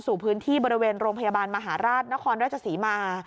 สู่พื้นที่บริเวณโรงพยาบาลมหาราชนครราชศรีมา